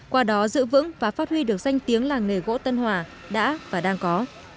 qua đó dự vững và phát huy được danh tiếng là nghề gỗ tân hòa đã và đang có